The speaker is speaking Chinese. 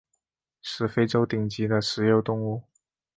是非洲顶级的食肉动物。